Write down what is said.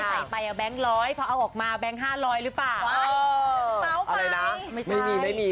ใส่ไปอะแบงค์ร้อยเพราะเอาออกมาแบงค์ห้าร้อยหรือเปล่าโอ้อะไรนะไม่ใช่